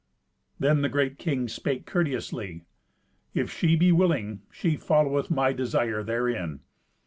Then the great king spake courteously, "If she be willing, she followeth my desire therein.